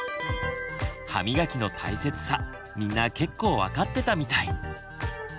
歯みがきの大切さみんな結構分かってたみたい。